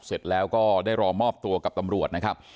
เสร็จแล้วก็ได้รอมอบตัวกับตำรวจนะครับ